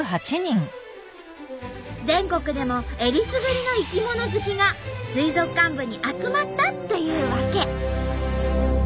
全国でもえりすぐりの生き物好きが水族館部に集まったっていうわけ。